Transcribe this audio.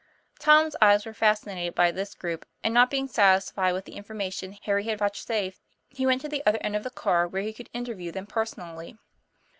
Tom's eyes were fascinated by this group; and, not being satisfied with the information Harry had vouchsafed, he went to the other end of the car where he could interview them personally.